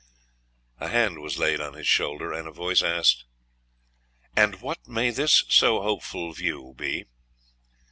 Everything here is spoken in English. A hand was laid on his shoulder, and a voice asked' 'And what may this so hopeful view be?